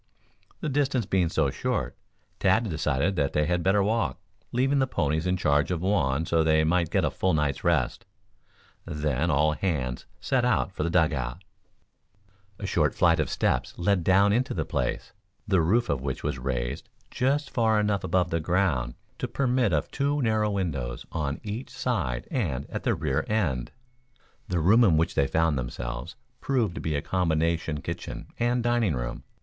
The distance being so short, Tad decided that they had better walk, leaving the ponies in charge of Juan so they might get a full night's rest. Then all hands set out for the dug out. A short flight of steps led down into the place, the roof of which was raised just far enough above the ground to permit of two narrow windows on each side and at the rear end. The room in which they found themselves, proved to be a combination kitchen and dining room.